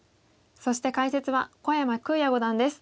そして解説は小山空也五段です。